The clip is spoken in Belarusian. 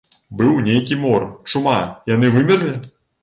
Быў нейкі мор, чума, яны вымерлі?